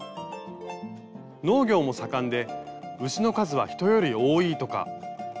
農業も盛んで牛の数は人より多いとか。